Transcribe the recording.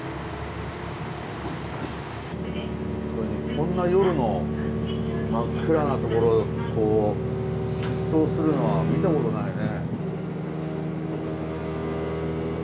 こんな夜の真っ暗な所疾走するのは見たことないね。